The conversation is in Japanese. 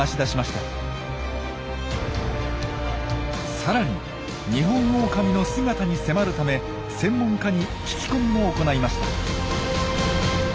更にニホンオオカミの姿に迫るため専門家に聞き込みも行いました。